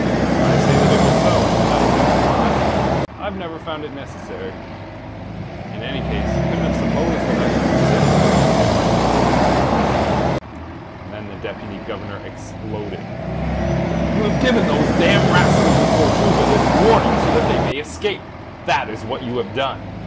I say that it was so; and I don't lie. I've never found it necessary. In any case ye couldn't have supposed that I should consent to anything different." And then the Deputy Governor exploded. "You have given those damned rascals in Tortuga this warning so that they may escape! That is what you have done.